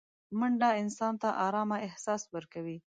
منډه انسان ته ارامه احساس ورکوي